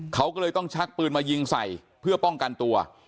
เขาก็เลยต้องชักปืนมายิงใส่เพื่อป้องกันตัว